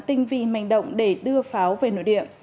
tình vị mạnh động để đưa pháo về nội địa